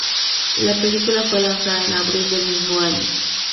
La película fue lanzada en abril del mismo año.